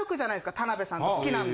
田辺さんと好きなんで。